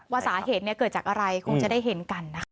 ว่าสาเหตุเกิดจากอะไรคงจะได้เห็นกันนะคะ